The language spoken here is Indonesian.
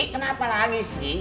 kenapa lagi sih